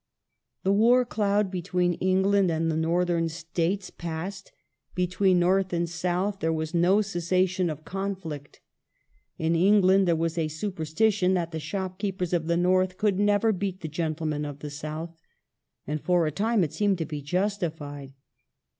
The war cloud between England and the Northern States Progress passed ; between North and South there was no cessation of con °^^^^^ flict. In England there was a superstition that the shopkeepers of the North could never beat the gentlemen of the South. And for a time it seemed to be justified.